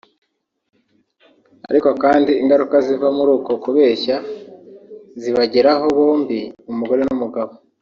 ariko kandi ingaruka ziva muri uko kubeshya zibageraho bombi umugore n’umugabo